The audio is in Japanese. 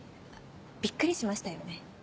びっくりしましたよね？